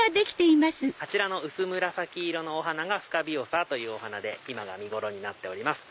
あちらの薄紫色のお花がスカビオサというお花で今が見頃になっております。